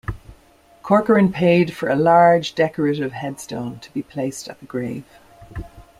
Corcoran paid for a large, decorative headstone to be placed at the grave.